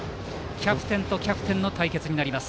キャプテンとキャプテンの対決です。